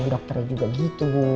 di dokternya juga gitu bu